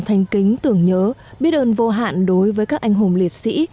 thanh kính tưởng nhớ biết ơn vô hạn đối với các anh hùng liệt sĩ